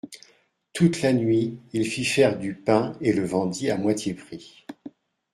Toute la nuit il fit faire du pain et le vendit à moitié prix.